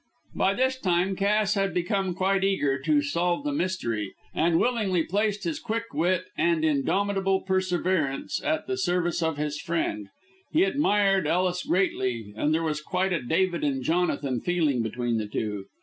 By this time Cass had become quite eager to solve the mystery, and willingly placed his quick wit and indomitable perseverance at the service of his friend. He admired Ellis greatly, and there was quite a David and Jonathan feeling between the two.